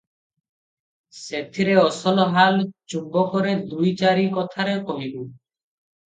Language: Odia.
ସେଥିରେ ଅସଲ ହାଲ ଚୁମ୍ବକରେ ଦୁଇ ଚାରି କଥାରେ କହିବୁଁ ।